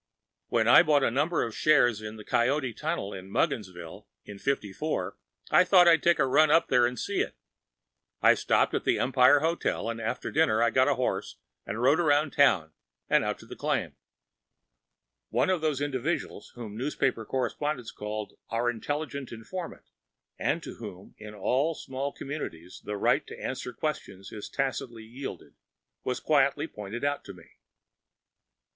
When I bought a number of shares in the Coyote Tunnel at Mugginsville, in ’54, I thought I’d take a run up there and see it. I stopped at the Empire Hotel, and after dinner I got a horse and rode round the town and out to the claim. One of those individuals whom newspaper correspondents call “our intelligent informant,‚ÄĚ and to whom in all small communities the right of answering questions is tacitly yielded, was quietly pointed out to me.